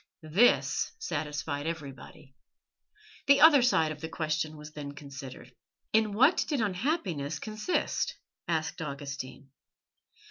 This satisfied everybody. The other side of the question was then considered. "In what did unhappiness consist?" asked Augustine.